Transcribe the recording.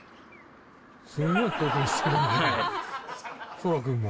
蒼空君も。